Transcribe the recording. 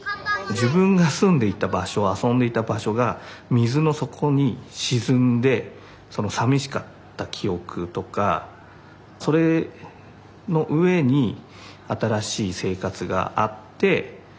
自分が住んでいた場所遊んでいた場所が水の底に沈んでさみしかった記憶とかそれの上に新しい生活があってそっちも楽しいんだよと。